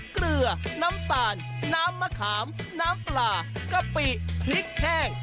เกลือน้ำตาลน้ำมะขามน้ำปลากะปิพริกแห้ง